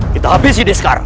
kita habisi ini sekarang